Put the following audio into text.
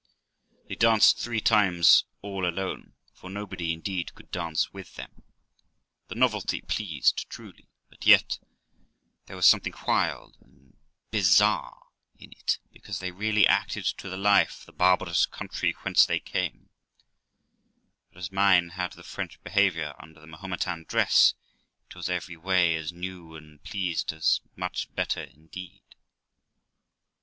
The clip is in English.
They danced three times all alone, for nobody, indeed, could dance with them. The novelty pleased, truly, but yet there was something wild and bizarre in it, because they really acted to the life the barbarous country whence they came ; but as mine had the French behaviour under the Mahometan dress, it was every way as new, and pleased much better indeed.